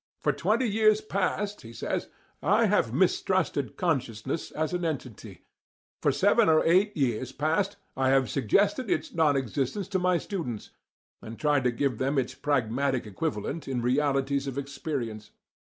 "For twenty years past," he says, "I have mistrusted 'consciousness' as an entity; for seven or eight years past I have suggested its non existence to my students, and tried to give them its pragmatic equivalent in realities of experience.